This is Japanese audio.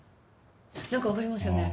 なんかわかりますよね？